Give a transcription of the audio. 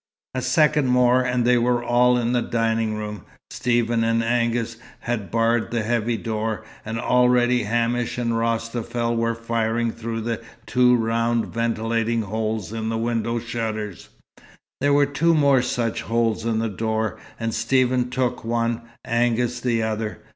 A second more, and they were all in the dining room. Stephen and Angus had barred the heavy door, and already Hamish and Rostafel were firing through the two round ventilating holes in the window shutters. There were two more such holes in the door, and Stephen took one, Angus the other.